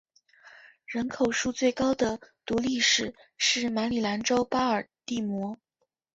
人口数最高的独立市是马里兰州巴尔的摩。